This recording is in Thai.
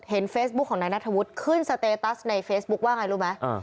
เฟซบุ๊คของนายนัทธวุฒิขึ้นสเตตัสในเฟซบุ๊คว่าไงรู้ไหม